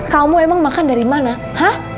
kamu emang makan dari mana hah